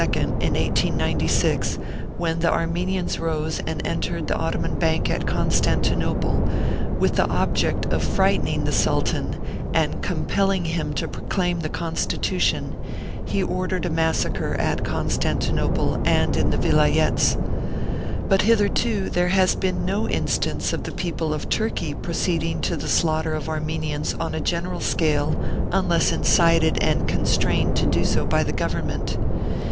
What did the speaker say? in 1896, when the Armenians rose and en tered the Ottoman Bank at Constantinople, with the object of frightening the Sultan and compelling him to proclaim the Constitution, he ordered a mas sacre at Constantinople and in the Vilayets. But hitherto there has been no instance of the people of Turkey proceeding to the slaughter of Armenians on a general scale unless incited and constrained to do so by the Government.